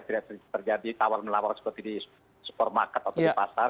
tidak terjadi tawar menawar seperti di supermarket atau di pasar